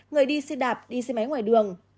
người đi xe đạp đi xe máy ngoài đường